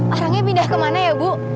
orangnya pindah kemana ya bu